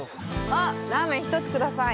あっラーメン１つ下さい。